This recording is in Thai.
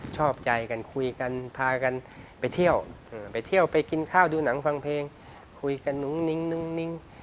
ชอบใจกันคุยกันพากันไปเที่ยวไปเที่ยวไปกินข้าวดูหนังฟังเพลงคุยกันนุ้งนิ้ง